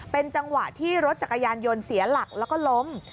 เป็นจังหวะที่รถจักรยานยนต์เสียหลักแล้วก็ล้ม